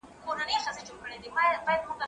ايا ته ميوې خورې.